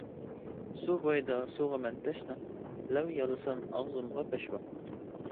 سۇ بۇيىدا سۇغا مەن تەشنا، لەۋ يالىسام ئاغزىمغا پەشۋا.